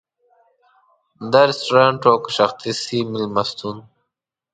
دا رستورانت و او که شخصي مېلمستون.